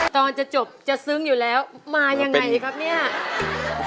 ตอนจะจบจะซึ้งอยู่แล้วมายังไงครับเนี่ย